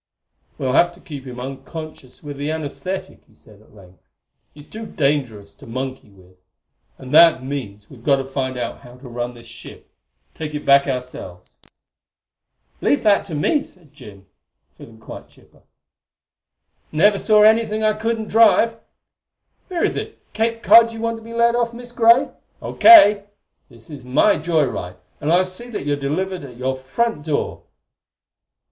"We'll have to keep him unconscious with the anaesthetic," he said at length; "he's too dangerous to monkey with. And that means we've got to find out how to run this ship take it back ourselves." "Leave that to me!" said Jim, feeling quite chipper. "Never saw anything yet I couldn't drive. Where is it Cape Cod, you want to be let off, Miss Gray?... O. K. This is my joy ride, and I'll see that you're delivered at your front door."